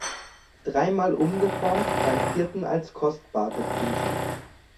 Dreimal umgeformt, beim vierten als „kostbar“ gepriesen.